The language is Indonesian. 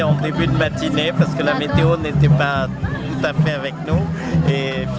saya khawatir pada awal pagi karena meteoritanya tidak sama dengan kami